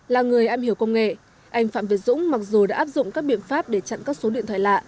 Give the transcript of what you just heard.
là người am hiểu công nghệ anh phạm việt dũng mặc dù đã áp dụng các biện pháp để chặn các số điện thoại lạ